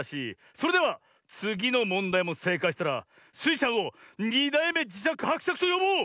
それではつぎのもんだいもせいかいしたらスイちゃんを「２だいめじしゃくはくしゃく」とよぼう！